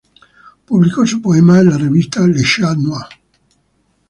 Publicó sus poemas en la revista Le Chat noir.